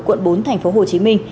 quận bốn tp hcm